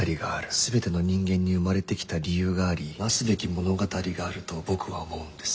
全ての人間に生まれてきた理由がありなすべき物語があると僕は思うんです。